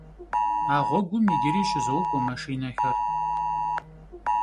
А гъуэгум иджыри щызокӏуэ машинэхэр.